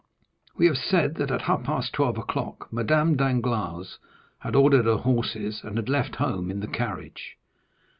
We have said that at half past twelve o'clock Madame Danglars had ordered her horses, and had left home in the carriage.